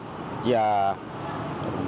và vận tải khách du lịch